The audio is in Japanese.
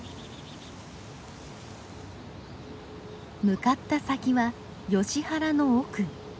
向かった先はヨシ原の奥。